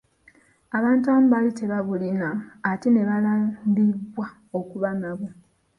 Abantu abamu bali tebabulina, ate nebalambibwa okuba nabwo.